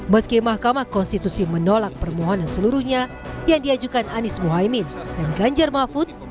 meski mahkamah konstitusi menolak permohonan seluruhnya yang diajukan anies mohaimin dan ganjar mahfud